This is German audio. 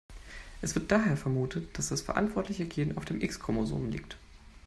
Es wird daher vermutet, dass das verantwortliche Gen auf dem X-Chromosom liegt.